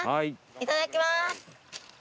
いただきます。